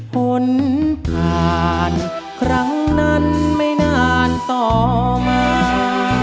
ผลผ่านครั้งนั้นไม่นานต่อมา